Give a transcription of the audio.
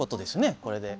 これで。